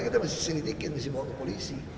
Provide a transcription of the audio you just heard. kita masih ceritikin masih bawa ke polisi